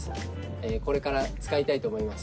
これから使いたいと思います。